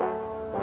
gak mau atuh ceng